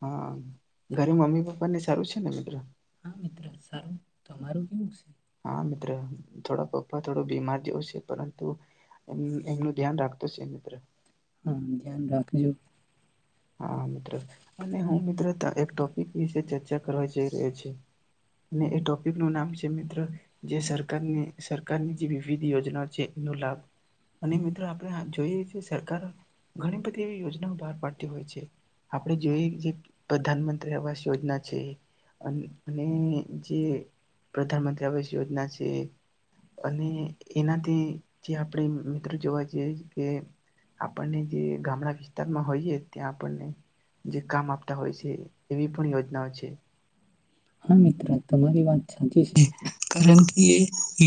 હા ઘરે mummy papa ને સારું છે ને મિત્ર. એવું છે હા મિત્ર થોડા પપ્પા થોડો બીમાર જેવ છે પરંતુ એમનું ધ્યાન રાખતો છે મિત્ર. હા ધ્યાન રાખજો. હા મિત્ર અને હું મિત્ર એક ટોપિક વિશે ચર્ચા કરવા જઈ રહ્યો છ અને એ ટોપિક નું નામ છે મિત્ર જે સરકારની. સરકાર ની જે વિવિધ યોજનાઓ છે એનો લાભ. અને મિત્ર આપણે જોઈએ. સરકાર ઘણી બધી એવી યોજનાઓ બહાર પાડ. હોય છે. આપડે જોઈએ જે પ્રધાનમંત્રી આવાસ યોજના. અને જે પ્રધાનમંત્રી આવાસ યોજના છે અને એનાથી જે આપણે મિત્રજોવા જઈએ કે આપણને જે ગામડા વિસ્તારમાં હોઈએ. ત્યાં આપણને જે કામ આપતા હોય છે એવી પણ યોજનાઓ છે. હા મિત્ર તમારી વાત સાચી છે કારણ. એ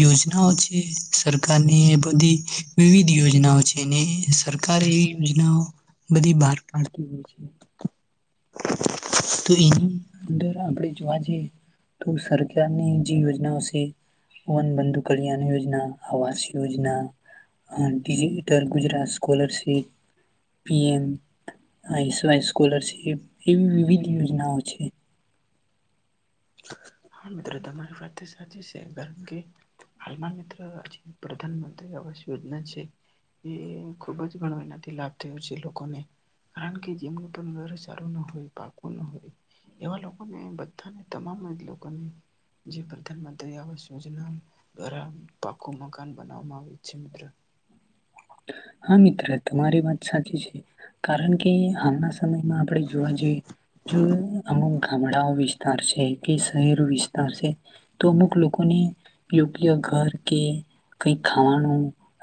યોજનાઓ છે સરકારની એ બધી. વિવિધ યોજનાઓ છે અનેને સરક એ યોજનાઓ. બધી બહાર પાડતી હોય છે. હા. તો એની અંદર આપણે. જોવા જઈએ તો સરકારની જે યોજનાઓ છે વન બંધુ કલ્યાણ યોજના આવાસ યોજના ડિજિટલ ગુજરાત સ્કોલરશીપ પીએમ આસવાય સ્કોલરશીપ. એવી વિવિધ યોજનાઓ છે. હા તમારી વાત સાચી છે કારણ કે હાલમાં મિત્ર આજ પ્રધાન મંત્રી આવાસ યોજના છે એ ખુબ જ ઘણો એનાથી લાભ થયો છે લોકોને કારણ કે જેમનું પણ ઘર સારું ના હોય પાકું ના હોય એવા લોકોને બધાને તમામ જ. જે પ્રધાનમંત્રી આવાસ યોજના દ્વારા પાખું મકાન બનાવવામાં આવે છે મ્રો. હા મિત્ર તમારી વાત સાચી છે કારણ કે હાલના સમયમાં આપણે જોવા જઈએ જો અમુક ગામડાઓ વિસ્તાર છે. કે શહેર વિસ્તાર છે તો અમુક લોકોની [unintelligible] [unintelligible] ઘર કે કઈ ખાવાનું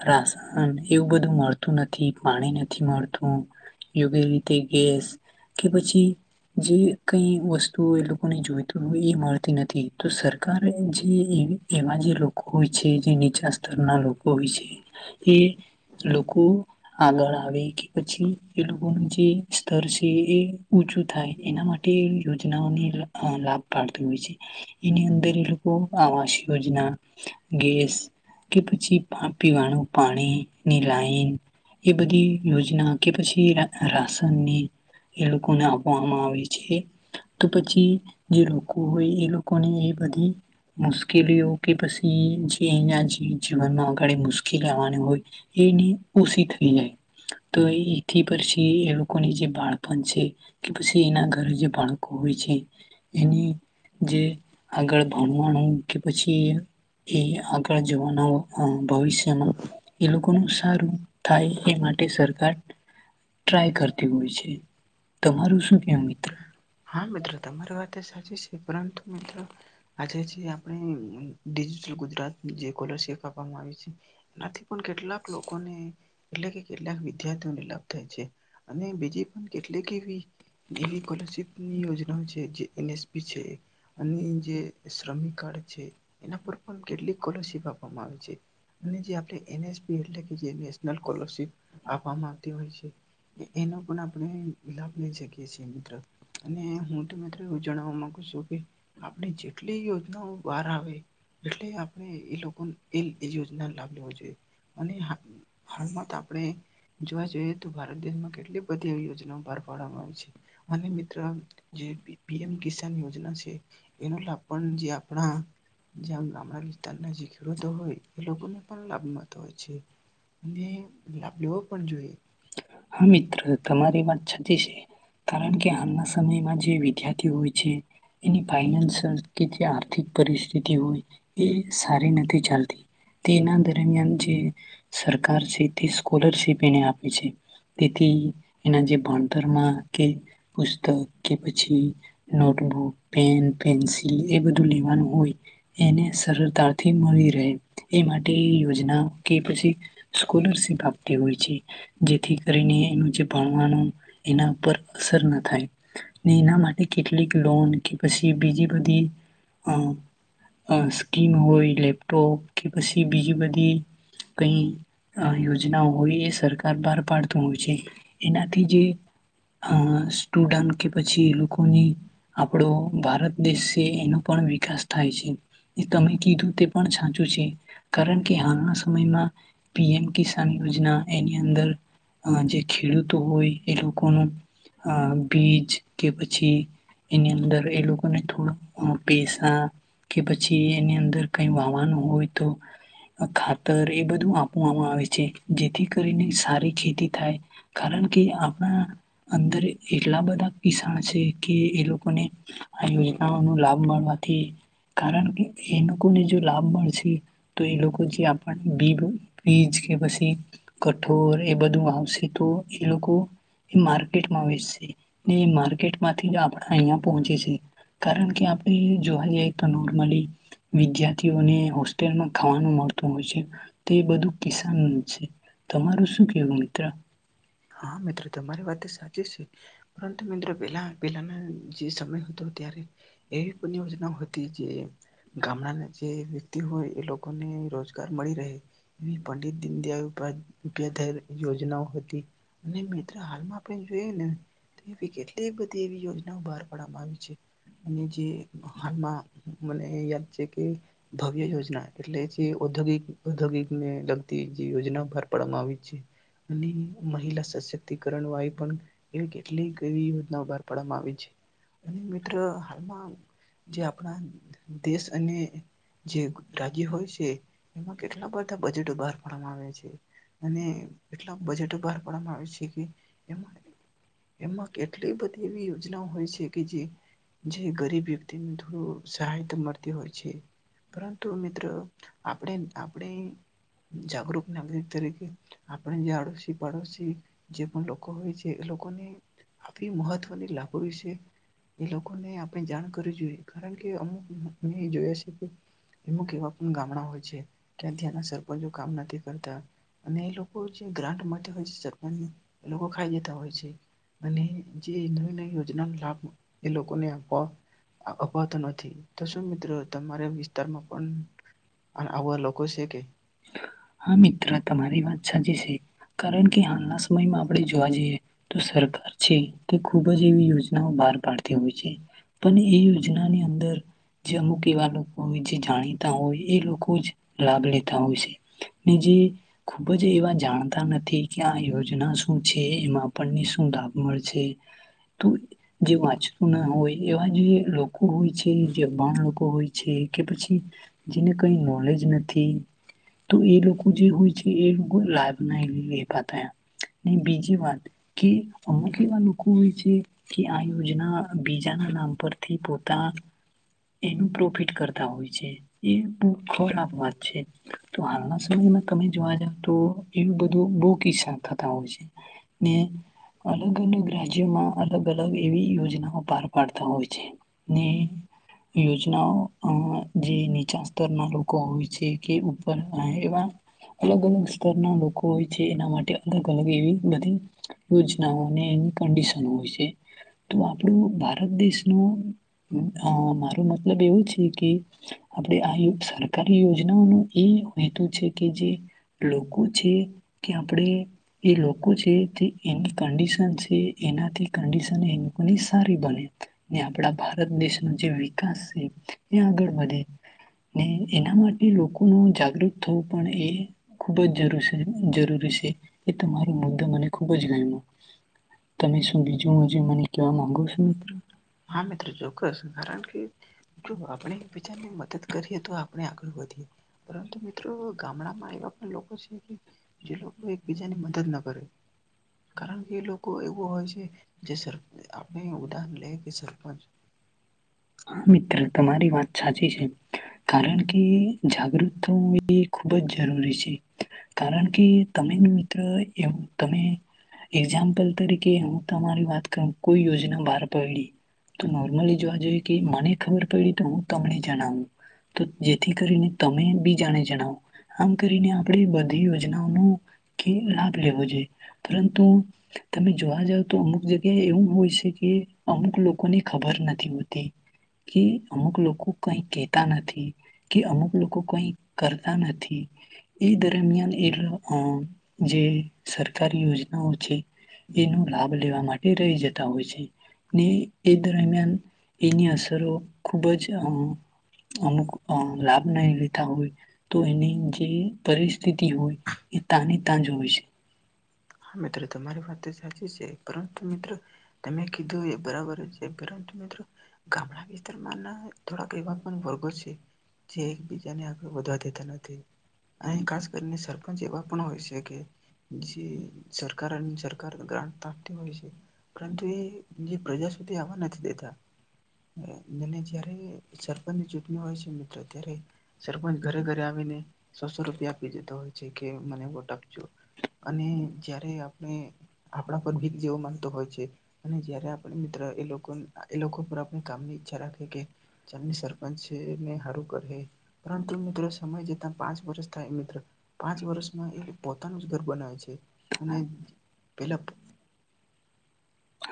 રાસ હ એવું બધું મળતું નથી, પાણી નથી મળતું યોગ્ય રીતે ગેસ કે પછી જે કઈ વસ્તુ એ લોકોને જોઈતું હોય એ મળતી નથી તો સરકાર જે એ એવા જે લોકો હોય છે જે નીચા સ્તરના લોકો હોય છે એ લોકો આગળ આવે કે પછી એ લોકોની જે સ્ટર છે એ ઉંચું થાય એના માટે યોજનાઓને અ લાભ પાડતું હોય છે એની અંદર એ લોકો આવાસ યોજના ગેસ કે પછી પા પીવાનું પાણીની લાઈન એ બધી યોજના કે પછી રાશનને એ લોકોને આપવામાં આવે છે તો પછી જે લોકો હોય એ લોકોને એ બધી મુશ્કેલીઓ કે પછી જે એના જીવનમાં અગળ મુશક [unintelligible] આવાની હોય એની ઓસી થઈ જાય તો એ એથી પછી એ લોકોની જે બાળપણ છે કે પછી એના ઘરે જે બાળકો હોય છે એને જે આગળ ભણવાનું કે પછી એ આગળ જવાનું અ ભવિષ્ય જેમાં એ લોકોનું સારું થાય એ માટે સરકાર ટ્રાય કરતી હોય છે, તમારું શું કેવું મિત્ર? હા મિત્ર તમારી વાત એ સાચી છે. પરંતુ મિત્ર આજે જે આપણે ડિજિટલ ગુજરાત જે કોલરશિપ આપવામાં આવી છે એનાથી પણ કેટલાક લોકોને એટલે કે કેટલાક વિદ્યાર્થીઓને લાભ થાય છે અને બીજી પણ કેટલીક એવી એવી કોલરશિપ ની યોજના છે જે એન એસપી છે. અને જે શ્રમિકળ છે. એના પર પણ કેટલીક કોલરશિપ આપ [unintelligible] માં આવી છે. અને જે આપડે એન એસ પ એટલે કે જે નેશનલ કોલરશિપ આપવામાં આવતી હોય છે એ એનો પણ આપણે લાભ લઈ શકીએ. કે છે મિત્ર અને હું ત મિત્ર એવું જણાવવા માંગુ છું કે આપણે જેટલી યોજનાઓ બહાર આવે એટલે આપણે એ લોકો એ એ યોજના લાભ લેવો જોઈએ. અને હાલ હાલમાં તો આપણે જોવા જઈએ તો ભારત દેશમાં કેટલી બધી એ યોજનાઓ બાર પાડવામાં આવી છે. અનેિત ત્ર જે પી પીએમ કિસાન યોજના છે એનો લાભ પણ જે આપણા જ્યાં ગામડા વિસ્તારના જે ખેડૂતો હોય એ લોકોને પણ લાભ મળતો હોય છે. ને લાભ લેવો પણ જોઈએ. હા મિત્ર તમારી વાત છતી છે કારણ કે [unintelligible] સમયમાં જે વિદ્યાર્થી હોય છે એની ફાઇનાન્સિયલ કે જે આર્થિક પરિસ્થિતિ હોય એ સારી નથી ચાલતી તેના દરમિયાન જે સરકાર છે તે સ્કોલરશ પીને આપ આપે છે તેથી એના જે ભણતરમાં કે પુસ્તક કે પછી નોટબુક, પેન, પેન્સિલ એ બધું લેવાનું હોય એને સરળતાથી મળી એ માટે યોજના કે પછી સ્કોલરશીપ આપતી હોય છે જેથી કરીને એનું જે ભણવાનું એના પરર અસર ન થાય ને એના માટે કેટલીક લોન કે પછી બીજી બધી સ્કીમ હોય લેપટોપ કે પછી બીજી બધી કઈ યોજનાઓ હોય એ સરકાર બાર પાડતું હોય છે એનાથી જે અ સ્ટુડન્ટ કે પછી એ લોકોની આપણો ભારત દેશ છે એનો પણ વિકાસ થાય છે એ તમે કીધું તે પણ સાચું છે કારણ કે હાલના સમયમાં પીએમ કિસાન યોજના એની જે ખેડૂતો હોય એ લોકોનું અ બીજ કે પછી એની અંદર એ લોકોને થોડ પેસા કે પછી એની અંદર કઈ વાવાનું હોય તો ખાતર એ બધું આપવામાં આવે છે જેથી કરીને સારી ખેતી થાય કારણ કે આપણા અંદર એટલા બધા કિસાણ છે કે એ લોકોને આ યોજનાઓ ન લાભ મળવાથી કારણ કે એ લોકોને જો લાભ મળશે તો એ લોકો જે આપી બીજ કે પછી કઠોર એ બધું આવશે તો એ લોકો એ માર્કેટમાં વચશે ને માર્કેટમાંથી જ આપણા અહિયાં પહોંચે છે કારણ કે આપણે જોવા જઈએ તો નોર્મલી વિદ્યાર્થીઓને હોસ્ટેલમાં ખાવાનું મળતું હોય છે તો એ બધું કિસાનનું છે તમારું શું કેવું મિત્ર હા્રો તમારી વાત સાચી છે પરંતુ મિત્રો પેલા પેલાના જે સમય હતો ત્યારે એવી પણ યોજનાઓ હતી જે ગામડાના જે વ્યક્તિ હોય એ લોકોને રોજગાર મળી રહે એવી પંડિત દીનદયાળ યોજનાઓ હતી જોઈને કેટલી બધી એવી યોજનાઓ બહાર પાડવામાં આવી છે અને જે હાલમાં મને યાદ છે કે ભવ્ય યોજના એટલે જે ઔદ્યોગિક ઔદ્યોગિક ને લગતી જે યોજના બહાર પાડવામાં આવી છે અને મહિલા સશક્તિકરણ વાય પણ એવી કેટલીક એવી યોજના બહાર પાડવામાં આવી અને મિત્ર હાલમાં જે આપણા દેશ અને જે રાજ્ય હોય છે એમાં કેટલા બધા બજેટ બહાર વામાં આવે છે અને એટલા બજેટો બહાર પાડવામાં આવે છે કે એમાં એમાં કેટલી બધી એવી યોજનાઓ હોય છે કે જે જે ગરીબ વ્યક્તિને થોડું સહાયતા મળતી હોય છે પરંતુ મિત્ર આપણે આપણે જાગરુક નાગરિક તરીકે આપણે જે આડોશી પાડોશી જે પણ લોકો હોય છે એ લોકોને આવી મહત્વની લાભો વિશે એ લોકોને આપણે જાણ કરવી જોઈએ કારણ કે અમુક મે જોયા છે કે એમ કેવા પણ ગામડા હોય છે તયા ત્યાંના સરપંચો કામ નથી કરતા અને એ લોકો જે ગ્રાન્ટ માટે હોય છે સરપંચને એ લોકો ખાઈ જતા હોય છે અને જે ને યોજના ન લાભ એ લોકોને અપ અપાવતાં નથી તો શું મિત્રો તમારે વિ તમાં પણ આવા લોકો છે કે હા મિત્ર તમારી વાત સાચી છે કારણ કે હાલના સ સમય આપણે જોવા જઈએ તો સરકાર છે તે ખુબ જ એવી યોજનાઓ બહાર પાડતી હોય છે પણ એ યોજનાની અંદર જે અમુક એવા લોકો હોય જે જાણીતા હોય એ લોકો જ લાભ લે ઉઠાવશે ને જે ખુબ જ એવા જાણતા નથી. ક્યાં યોજના શું છે, એમાં આપણને શું લાભ મળશે તો જે વાંચતું ના હોય. એવા જે લોકો હોય છે જે અભણ લોકો હોય છે કે પછી જેને કઈ નોલેજ નથી. તો એ લોકો જે હોય છે એ લોકો લાભ ના લેપતા એમ, બીજી વાત કે અમુક એવા લોકો હોય છે કે આ યોજના બીજાના નામ પરથી પોતા એનું પ્રોફિટ કરતા હોય છે એ બહ ખરાબ વાત છે. તો હાલના સમયમાં તમે જોવા જાવ તો એવું બધું બહુ કિસ્સા થતા હોય છે, ને અલગ-અલગ રાજ્યમાં અલગ-અલગ એવી યોજનાઓ પાર પાડતા હોય છે, ને યોજનાઓ અ જે નીચા સ્તરના લોકો હોય છે કે ઉપર ના એવા અલગ-અલગ સ્તરના લોકો હોય છે, એના માટે અલગ-અલગ એવી બધી યોજનાઓ ને એની કડિશન હોય છે, તો આપણું ભારત દેશ નું અ મારુ મતલબ એવું છે કે આપળે અહીં સરકારી યોજના નાનુ એ હેતુ છે કે જે લોકો છે, કે આપળે એ લોકો છે તે એની કંડિશન છે એનાથી કંડિશન એ લોકોની સારી બને, ને આપળા ભારત દેશનો જે વિકાસ છે એ આગળ વધે, ને એના માટે એ લોકોનું જાગૃત થવું પણ એ ખૂબ જ જરૂર જરૂરી છે, એ તમારો મુદ્દો મને ખુબ જ ગમ્યો તમે શું બીજું મુજ મને કેવા માંગો છો મિત્રો? હા મિત્ર ચોક્કસ કારણ કે જો આપણે બીજાની મદદ કરીએ તો આપળે આગળ વધીએ, પરંતુ મિત્રો ગામડામાં એવા પણ લોકો છે કે જે લોકો એકબીજાની મદદ ના કરે, કારણ કે એ લોકો એવું હોય છે જે સર અ આપણે ઉદાહરણ લે એ સરપંચ હા મિત્ર તમારી વાત સાચી છે. કારણ કે જાગૃત થવું એ ખૂબ જ જરૂરી છે, કારણ કે તમે મિત્ર એવું તમે એક્ઝામ્પલ તરીકે હું તમારી વાત કવ કોઈ યોજના બહાર પડી તો નોર્મલી જોવા જઈએ કે મને ખબર પયડી તો હું તમને જણાવું, તો જેથી કરીને તમે બીજાને જણાવો આમ કરીને આપણે બધી યોજનાઓનો કે લાભ લેવો જોઈએ પરંતુ તમે જોવા જાવ તો અમુક જગ્યા એવું હોય છે કે અમુક લોકોને ખબર નથી હોતી કે અમુક લોકો કઈ કહેતા નથી, કે અમુક લોકો કઈ કરતા નથી, એ દરમિયાન [unintelligible] અ જે સરકારી યોજનાઓ છે, એનુ લાભ લેવા માટે રહી જતા હોય છે ને એ દરમિયાન એની અસરો ખૂબ જ અ અમુક અ લાભ નઈ લેતા હોય, તો એની જે પરિસ્થિતિ હોય એ તાને તાંજ હોય છે. હા મિત્ર તમારી વાત એ સા ચી છે પરંતુ મિત્ર તમે કીધું એ બરાબર જ પરંતુ મિત્ર ગામડા વિસ્તારમાં ના થોડાક એવા પણ વર્ગો છે, જે એકબીજા ને આગળ વધવા દેતા નથી. અઈ ખાસ કરીને સરપંચ એવા પણ હોય છે કે જે. સરકાર અને સરકાર ગ્રાન્ટ તો આપતી હોય છે. પરંતુ એ જે પ્રજા સુધી આવવા નથી દેતા. અ જેને જ્યારે સરપંચની ચૂંટણી હોય છે મિત્ર ત્યારે સરપંચ ઘરે-ઘરે આવીને સો-સો રૂપિયા આપી જતા હોય જે કે મને વોટ આપજો અને જયારે આપણે આપળા પર ભીખ જેઓ માનતો હોય છે. અને જયારે આપળે મિત્ર એ લોકોન એ લોકો પર આપણે કામની ઈચ્છા રાખે કે ચાલની સરપંચ છે ને હારુ કરહે પરંતુ મિત્રો સમય જતા પાંચ વર્ષ થાય મિત્ર, પાંચ વર્ષમાં એ પોતાનું જ ઘર બનાવે છે. અને પેલાપ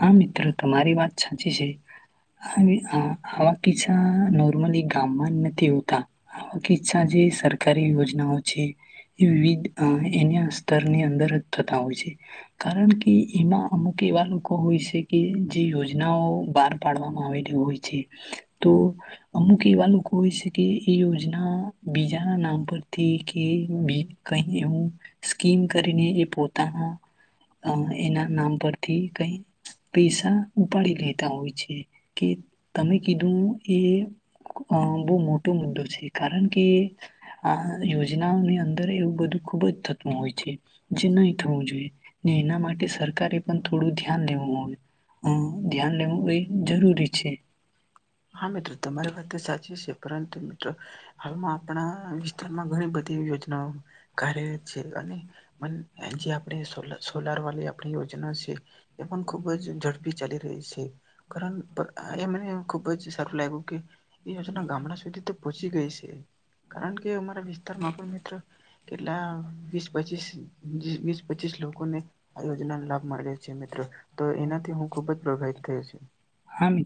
હા મિત્ર તમારી વાત સાચી છે. હ આવા કિસ્સા નોર્મલી ગામમાં જ નથી હો હા. આવા કિચા જે સરકારી યોજનાઓ છે એ વિવિધ એના સ્તરની અંદર જ થતા હોય છે, કારણ કે એમાં અમુક એવા હોય છે કે જે યોજનાઓ બહાર પાડવામાં આવેલી હોય છે. તો અમુક કે એવા લોકો હોય છે કે, એ યોજના બીજાના નામ પરથી કે કઈ એવું સ્કીમ કરીને એ પોતાના એના નામ પરથી ક પૈસા ઉપાડી લેતા હોય છે કે તમે કીધું એ બહુ મોટો મુદ્દો છે કારણ કે આ યોજનાઓની અંદર એવું બધું ખુબ જ થતું હોય છે, જે નહી થવું જોઈએ ને એના માટે સરકારે પણ થો થોડું ધ્યાન લેવું હોય, ધ્યાન લેવું એ જરૂરી છે. હા મિત્રો તમારી વાત તો સાચી છે પરંતુ મિત્રો હાલમાં આપણા વિસ્તારમાં ઘણી બધી યોજનાઓ કાર્યરત છે, અને જે આપણે સોલ સોલાર વાળી આપણી યોજના છે એ પણ ખુબ જ ઝડપી ચાલી રહી છે કારણ એ મનેબ [unintelligible] સારું લાગ્યું કે એ યોજના ગામડા સુધી તો પહોચી ગઈ છે. કારણ કે અમારા વિસ્તારમાં પણ મિત્રો કેટલા પચીસ વીસ પચીસ લોકોને આ યોજનાનો લાભ મળ્યો છે મિત્ર. તો એનાથી હું ખુબ જ પ્રભાવિત થયો છ